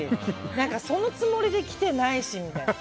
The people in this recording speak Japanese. そのつもりで来てないしみたいな。